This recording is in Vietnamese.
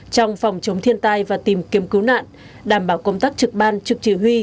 trong phòng chống thiên tai và tìm kiếm cứu nạn đảm bảo công tác trực ban trực chỉ huy